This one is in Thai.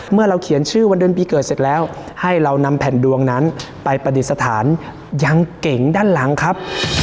เมื่อเราเขียนชื่อวันเดือนปีเกิดเสร็จแล้วให้เรานำแผ่นดวงนั้นไปปฏิสถานยังเก่งด้านหลังครับ